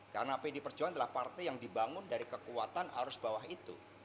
karena pdi perjuangan adalah partai yang dibangun dari kekuatan arus bawah itu